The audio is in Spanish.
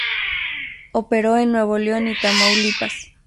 Operó en Nuevo León y Tamaulipas.